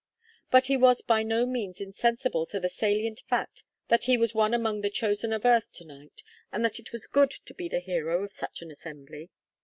But he was by no means insensible to the salient fact that he was one among the chosen of Earth to night, and that it was good to be the hero of such an assembly.